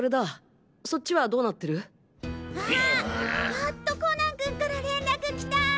やっとコナン君から連絡きた！